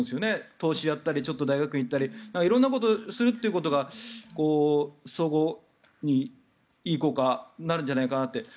投資をやったりちょっと大学へ行ったり色んなことをするということが相互にいい効果になるんじゃないかなって。